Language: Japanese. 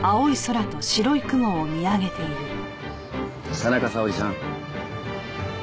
田中沙織さん。